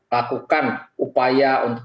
lakukan upaya untuk